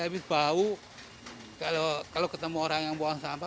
habis bau kalau ketemu orang yang buang sampah